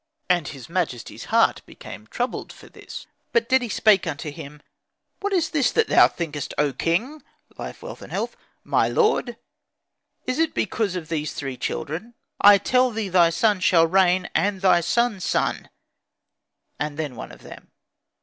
And his majesty's heart became troubled for this; but Dedi spake unto him, "What is this that thou thinkest, O king (life, wealth, health), my lord? Is it because of these three children? I tell thee thy son shall reign, and thy son's son, and then one of them."